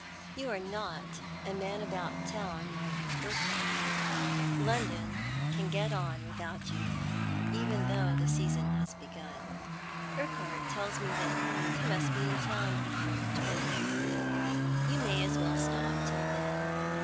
"You are not a man about town like Urquhart. London can get on without you, even though the season has begun. Urquhart tells me he must be in town before the twentieth. You may as well stop till then.